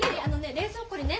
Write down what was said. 冷蔵庫にね